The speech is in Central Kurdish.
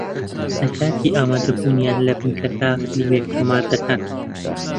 لە کاتی ئامادەبوونیان لە بنکەکە فیلمێک تۆمار دەکەن